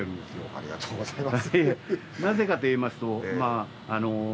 ありがとうございます。